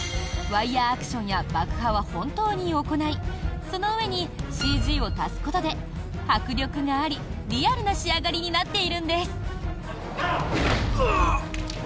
ワイヤアクションや爆破は本当に行いその上にＣＧを足すことで迫力があり、リアルな仕上がりになっているんです。